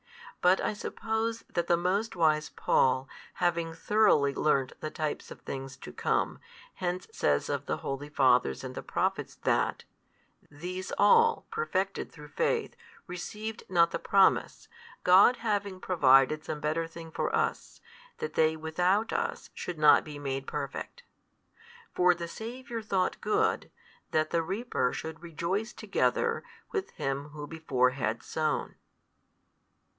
But I suppose that the most wise Paul, having throughly learnt the types of things to come, hence says of the holy fathers and Prophets that, These all, perfected through faith, received not the promise, God having provided some better thing for us, that they without us should not be made perfect. For the Saviour thought good, that the reaper should rejoice together with him who before had sown.